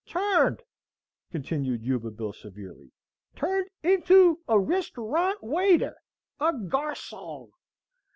"Turned," continued Yuba Bill, severely, "turned into a restyourant waiter, a garsong!